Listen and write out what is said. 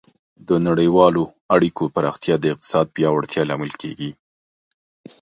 د نړیوالو اړیکو پراختیا د اقتصاد پیاوړتیا لامل کیږي.